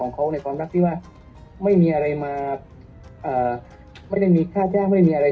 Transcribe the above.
ของในความรักที่ว่าไม่มีอะไรมาไม่ได้มีค่าจ้างไม่มีอะไร